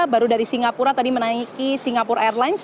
baru dari singapura tadi menaiki singapura airlines